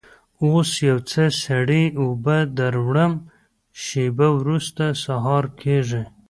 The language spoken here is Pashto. اوس یو څه سړې اوبه در وړم، شېبه وروسته سهار کېږي.